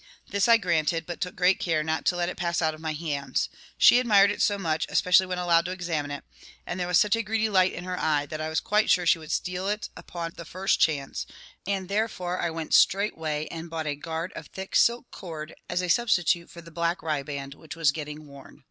This I granted, but took good care not to let it pass out of my hands; she admired it so much, especially when allowed to examine it, and there was such a greedy light in her eyes, that I was quite sure she would steal it upon the first chance; and therefore I went straightway and bought a guard of thick silk cord, as a substitute for the black riband, which was getting worn.